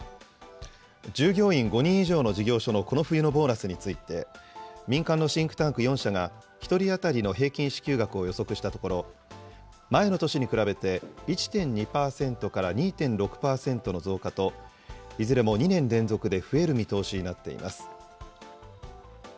従業員５人以上の事業所のこの冬のボーナスについて、民間のシンクタンク４社が、１人当たりの平均支給額を予測したところ、前の年に比べて１．２％から２．６％の増加と、いずれも２年連続で増える見通しになっています。